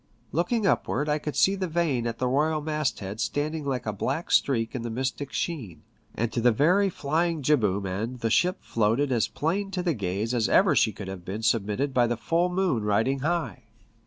Looking upward I could see the vane at the royal mast head standing like a black streak in the mystic sheen, and to the very flying jibboom end the ship floated as plain to the gaze as ever she could have been submitted by the full moon riding high.